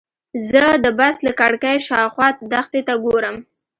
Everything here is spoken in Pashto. زه د بس له کړکۍ شاوخوا دښتې ته ګورم.